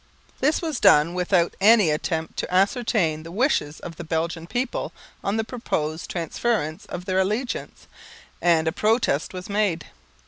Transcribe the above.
This was done without any attempt to ascertain the wishes of the Belgian people on the proposed transference of their allegiance, and a protest was made.